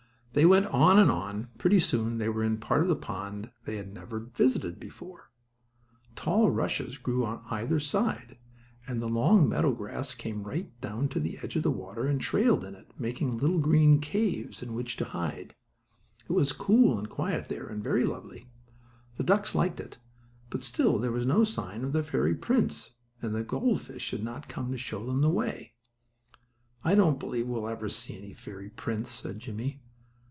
They went on and on, until pretty soon they were in a part of the pond they had never before visited. Tall rushes grew on either side, and the long meadow grass came right down to the edge of the water and trailed in it, making little green caves in which to hide. It was cool and quiet there, and very lovely. The ducks liked it, but still there was no sign of the fairy prince; and the gold fish had not come to show them the way. "I don't believe we'll ever see any fairy prince," said Jimmie.